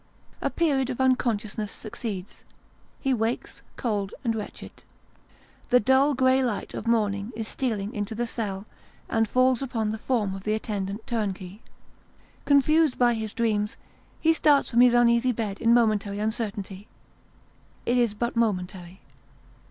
A period of unconsciousness succeeds. He wakes, cold and wretched. The dull grey light of morning is stealing into the cell, and falls upon the form of the attendant turnkey. Confused by his dreams, he starts from his uneasy bed in momentary uncertainty. It is but momentary.